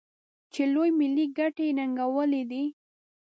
چې لویې ملي ګټې یې ننګولي دي.